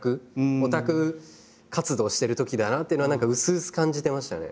オタク活動してるときだなってのは何かうすうす感じてましたね。